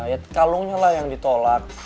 ya kalungnya lah yang ditolak